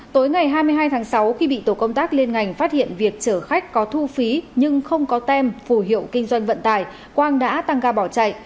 tối ngày hai mươi hai tháng sáu khi bị tổ công tác liên ngành phát hiện việc chở khách có thu phí nhưng không có tem phù hiệu kinh doanh vận tải quang đã tăng ga bỏ chạy